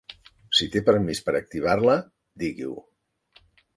Si té permís per activar-la, digui-ho.